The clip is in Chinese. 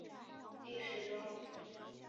历史轴。